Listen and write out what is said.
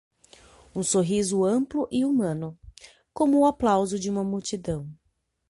um sorriso amplo e humano, como o aplauso de uma multidão.